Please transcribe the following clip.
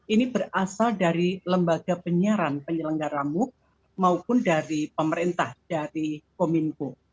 ini berasal dari lembaga penyiaran penyelenggara muk maupun dari pemerintah dari kominfo